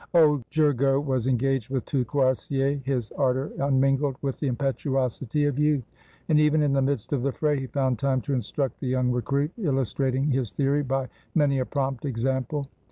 Old Gergo was engaged with two cuirassiers, his ardor unmingled with the impetuosity of youth; and even in the midst of the fray he found time to instruct the young recruit, illustrating his theory by many a prompt example.